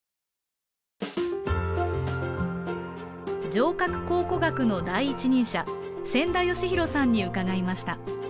城郭考古学者の第一人者千田嘉博さんに伺いました。